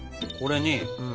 これに。